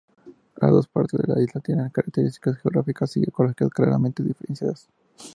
Las dos partes de la isla tienen características geográficas y ecológicas claramente diferenciadas.